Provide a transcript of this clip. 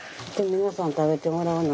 皆さん食べてもらわな。